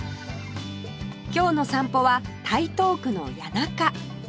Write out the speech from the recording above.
今日の散歩は台東区の谷中